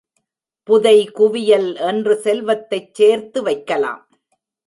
புதை குவியல் என்று செல்வத்தைச் சேர்த்து வைக்கலாம்.